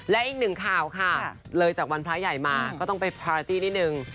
และอีกหนึ่งข่าวค่ะเลยจากวันพระใหญ่มาก็ต้องไปพาราตี้นิดนึง